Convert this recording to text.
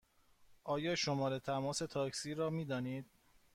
آیا شماره تماس تاکسی را می دانید؟